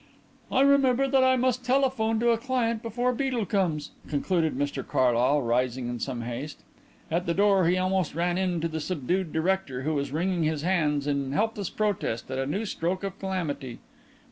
"I remember that I must telephone to a client before Beedel comes," concluded Mr Carlyle, rising in some haste. At the door he almost ran into the subdued director, who was wringing his hands in helpless protest at a new stroke of calamity.